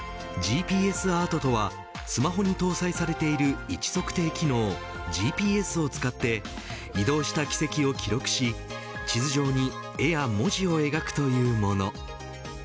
アートとはスマホに搭載されている位置測定機能ＧＰＳを使って移動した軌跡を記録し地図上に絵や文字を描くというもの。